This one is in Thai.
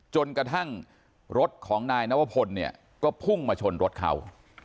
จนกระทั่งรถของนายนวพลเนี่ยก็พุ่งมาชนรถเขา